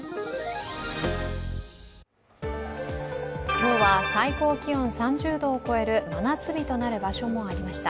今日は最高気温３０度を超える真夏日となる場所もありました。